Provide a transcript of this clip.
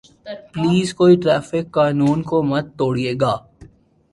please کوئی traffic قانون کو مت توڑئے گا